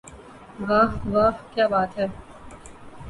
واہ واہ کیا بات ہے